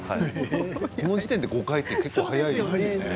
この時点で５回というのは結構早いですね。